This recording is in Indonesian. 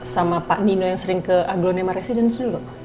sama pak nino yang sering ke aglonema residence dulu